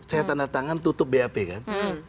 saya tanda tangan tutup bap kan